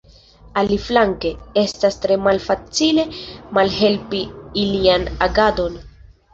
Aliflanke, estas tre malfacile malhelpi ilian agadon.